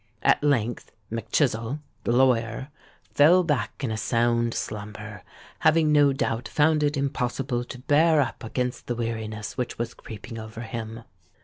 At length Mac Chizzle, the lawyer, fell back in a sound slumber, having no doubt found it impossible to bear up against the weariness which was creeping over him.